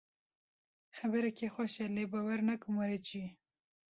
Xebereke xweş e lê bawer nakim were cî.